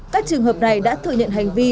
các trường hợp này đã thự nhận hành vi